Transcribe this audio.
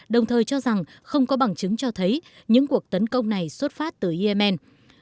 đồng thời cho rằng không có bằng chứng cho thấy những cuộc tấn công này xuất phát từ yemen